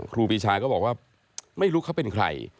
ครูปีชาก็บอกว่าไม่รู้เขาเป็นใคร